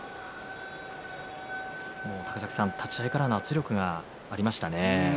高崎さん、立ち合いからの圧力がありましたね。